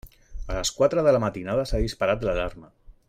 A les quatre de la matinada s'ha disparat l'alarma.